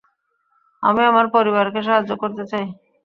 আমি আমার পরিবারকে সাহায্য করতে চাই।